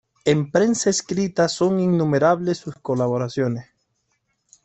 En prensa escrita son innumerables sus colaboraciones.